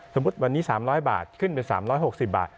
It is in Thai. สมมุติวันนี้๓๐๐บาทขึ้นไป๓๖๐บาท